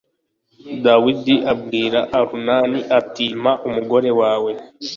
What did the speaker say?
dawidi abwira orunani ati mpa umugore wawe